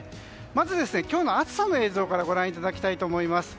まず、今日の暑さの映像からご覧いただきたいと思います。